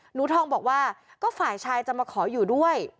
หนูทองบอกว่าก็ฝ่ายชายจะมาขออยู่ด้วย